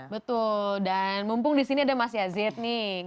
betul dan mumpung di sini ada mas yazid nih